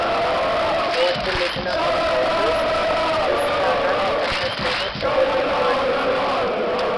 What the listener encounters is a Rush that has never "ever" been heard before.